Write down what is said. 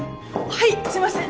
はいすいません！